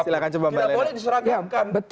tidak boleh diserangkan